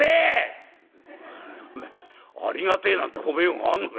「『ありがてえ』なんて褒めようがあんのか？」。